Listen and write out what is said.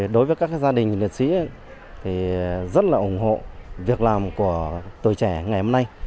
đối với các gia đình liệt sĩ thì rất là ủng hộ việc làm của tuổi trẻ ngày hôm nay